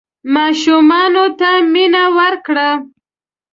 ماشومانو ته مینه ورکړه.